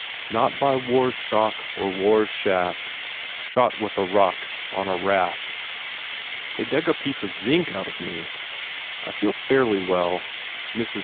Not by war s shock or war s shaft. Shot with a rock on a raft. They dug a piece of zinc out of me. I feel fairly well. Mrs.